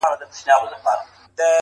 تر تا د مخه ما پر ایښي دي لاسونه!.